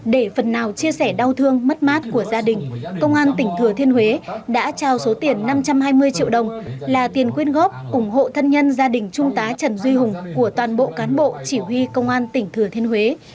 để phần nào chia sẻ đau thương mất mát của gia đình công an tỉnh thừa thiên huế đã trao số tiền năm trăm hai mươi triệu đồng là tiền quyên góp ủng hộ thân nhân gia đình trung tá trần duy hùng của toàn bộ cán bộ chỉ huy công an tỉnh thừa thiên huế